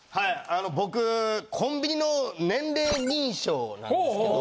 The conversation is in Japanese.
あの僕コンビニの年齢認証なんですけど。